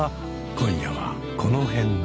今夜はこの辺で。